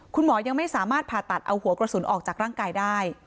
คุณหมอยังไม่สามารถผ่าตัดเอาหัวกระสุนออกจากร่างกายได้